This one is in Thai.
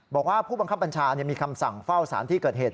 บอกว่าผู้บังคับบัญชามีคำสั่งเฝ้าสารที่เกิดเหตุ